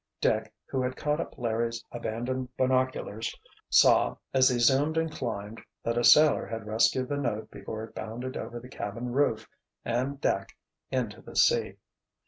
Dick, who had caught up Larry's abandoned binoculars, saw as they zoomed and climbed that a sailor had rescued the note before it bounded over the cabin roof and deck into the sea.